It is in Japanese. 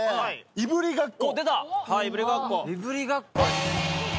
いぶりがっこ。